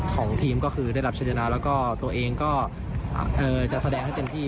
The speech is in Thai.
ของทีมก็คือได้รับชัยชนะแล้วก็ตัวเองก็จะแสดงให้เต็มที่